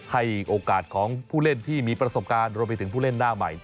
ให้โอกาสของผู้เล่นที่มีประสบการณ์รวมไปถึงผู้เล่นหน้าใหม่